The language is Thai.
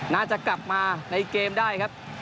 น่าจะกลับมาในเกมได้ครับ